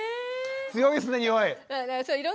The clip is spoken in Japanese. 強いですねにおい。